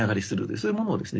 そういうものをですね